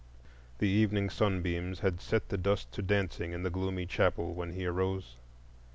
The evening sunbeams had set the dust to dancing in the gloomy chapel when he arose.